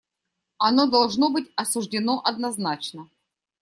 Оно должно быть осуждено однозначно.